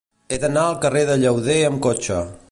He d'anar al carrer de Llauder amb cotxe.